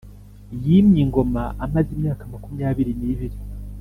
yimye ingoma amaze imyaka makumyabiri n ibiri